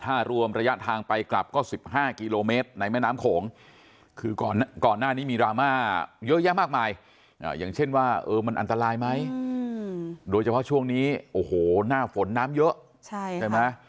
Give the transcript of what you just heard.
ถ้ารวมระยะทางไปกลับก็๑๕กิโลเมตรในแม่น้ำโขงคือก่อนหน้านี้มีดราม่าเยอะแยะมากมายอย่างเช่นว่ามันอันตรายไหมโดยเฉพาะช่วงนี้โอ้โหหน้าฝนน้ำเยอะใช่ไหม